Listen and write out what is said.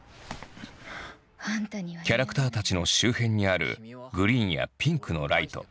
キャラクターたちの周辺にあるグリーンやピンクのライト。